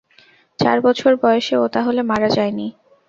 চার বছর বয়সে ও তাহলে মারা যায় নি?